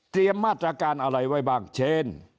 เตรียมมาตรการอะไรไว้บ้างเช่น